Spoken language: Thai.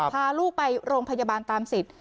พาลูกไปโรงพยาบาลตามสิทธิ์